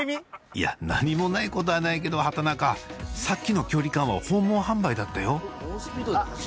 いや何もないことはないけど畠中さっきの距離感は訪問販売だったよあ！